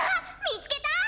みつけた！